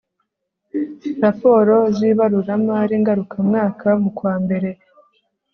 raporo z ibaruramari ngarukamwaka mukwambere